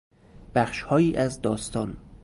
بخشهایی از داستان